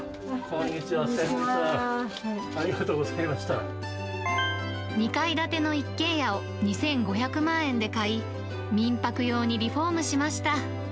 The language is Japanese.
先日はありがと２階建ての一軒家を２５００万円で買い、民泊用にリフォームしました。